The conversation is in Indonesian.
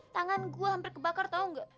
tangan gue hampir kebakar tau gak